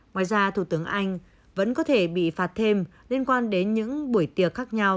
ngoài ra thủ tướng anh vẫn có thể bị phạt thêm liên quan đến những buổi tiệc khác nhau